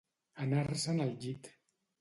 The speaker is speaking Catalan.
Anar-se'n al llit.